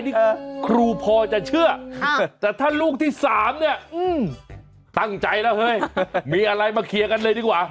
นี่ครูพอจะเชื่อแต่ถ้าลูกที่๓เนี่ยตั้งใจแล้วเฮ้ยมีอะไรมาเคลียร์กันเลยดีกว่า